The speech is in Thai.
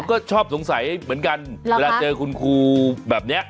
ก็ชอบสงสัยเหมือนกันเวลาเจอคุณครูแบบนี้